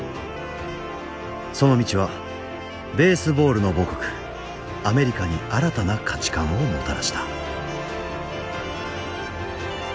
その道はベースボールの母国アメリカに新たな価値観をもたらした。